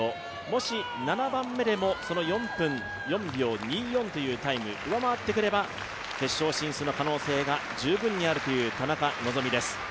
もし７番目でも、その４分４秒２４というタイムを上回ってくれば決勝進出の可能性が十分にあるという田中希実です。